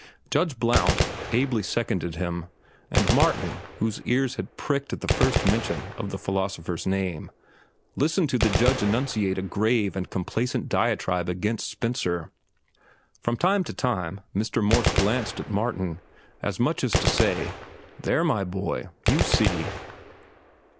Judge Blount ably seconded him, and Martin, whose ears had pricked at the first mention of the philosopher's name, listened to the judge enunciate a grave and complacent diatribe against Spencer. From time to time Mr. Morse glanced at Martin, as much as to say, "There, my boy, you see."